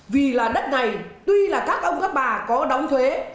vì là đất này tuy là các ông các bà có đóng thuế